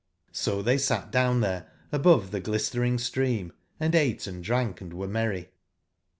So they sat down there above the glistering stream & ate and drank and were merry.